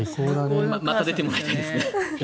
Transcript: また出てもらいたいですね。